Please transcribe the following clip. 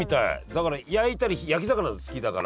だから焼いたり焼き魚なら好きだから。